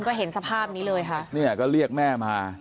ก็เห็นสภาพนี้เลยค่ะเนี่ยก็เรียกแม่มา